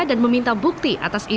dan meminta bukti atas izinnya